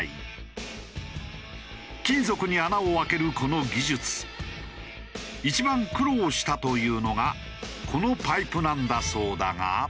金属に穴をあけるこの技術一番苦労したというのがこのパイプなんだそうだが。